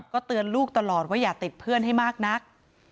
ก็เตือนลูกตลอดว่าอย่าติดเพื่อนให้มากนัก